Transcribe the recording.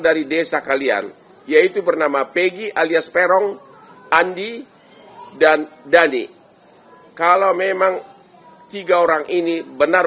dari desa kalian yaitu bernama peggy alias peron andi dan dhani kalau memang tiga orang ini benar